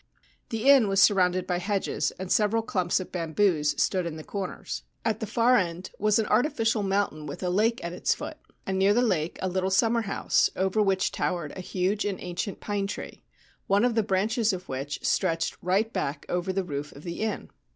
The inn was surrounded by hedges, and several clumps of bamboos stood in the corners. At the far end was an artificial mountain with a lake at its foot, and near the lake a little summer house over which towered a huge and ancient pine tree, one of the branches of which stretched right back over the roof of the inn.